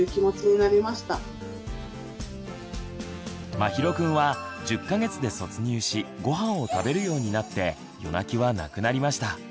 まひろくんは１０か月で卒乳しごはんを食べるようになって夜泣きはなくなりました。